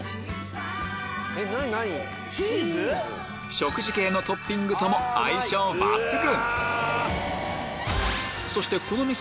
食事系のトッピングとも相性抜群！